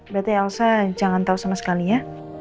berarti elsa jangan tahu sama sekali ya